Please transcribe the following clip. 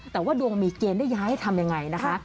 แต่ว่าดวงมีเกณฑ์ได้ย้ายทำยังไงนะคะ